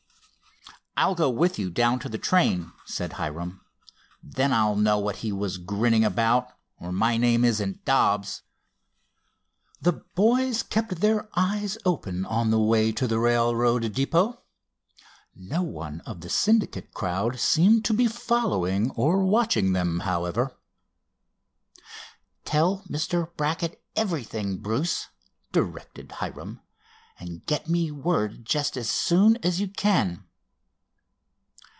"I'll go with you down to the train," said Hiram. "Then I'll know what he was grinning about, or my name isn't Dobbs!" The boys kept their eyes open on the way to the railroad depot. No one of the Syndicate crowd seemed to be following, or watching them, however. "Tell Mr. Brackett everything, Bruce," directed Hiram, "and get me word just as soon as you can."